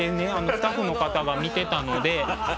スタッフの方が見てたので。